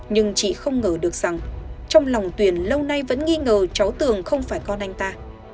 nhưng chị không ngờ được rằng trong lòng tuyển lâu nay vẫn nghi ngờ cháu tường không phải con anh ta